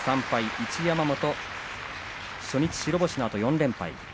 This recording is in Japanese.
一山本初日白星のあと４連敗です。